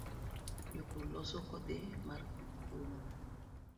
Jopur loso kodhi mar komo